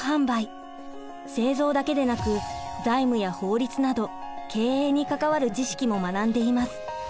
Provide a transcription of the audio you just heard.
製造だけでなく財務や法律など経営に関わる知識も学んでいます。